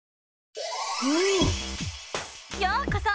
ようこそ！